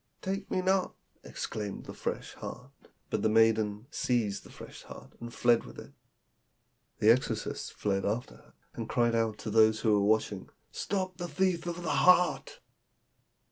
'Take me not!' exclaimed the fresh heart; but the maiden seized the fresh heart and fled with it. The exorcists fled after her, and cried out to those who were watching, 'Stop the thief of the heart!'